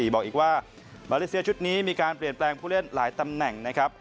บอกอีกว่ามาเลเซียชุดนี้มีการเปลี่ยนแปลงผู้เล่นหลายตำแหน่งนะครับ